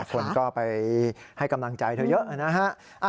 คนก็ไปให้กำลังใจเธอเยอะนะฮะ